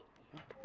ada roti sendoknya